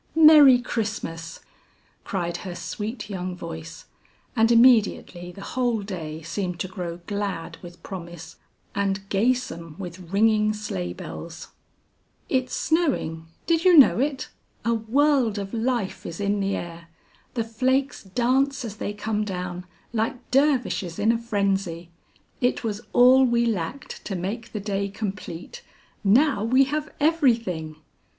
"Merry Christmas," cried her sweet young voice, and immediately the whole day seemed to grow glad with promise and gaysome with ringing sleigh bells. "It's snowing, did you know it? A world of life is in the air; the flakes dance as they come down, like dervishes in a frenzy. It was all we lacked to make the day complete; now we have everything."